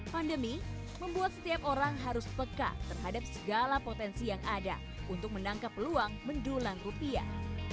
pandemi membuat setiap orang harus peka terhadap segala potensi yang ada untuk menangkap peluang mendulang rupiah